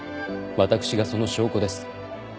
私がその証拠です。